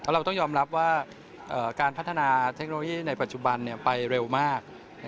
เราต้องยอมรับว่าการพัฒนาเทคโนโลยีในปัจจุบันไปเร็วมาก